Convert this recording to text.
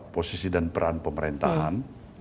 posisi dan peran pemerintahan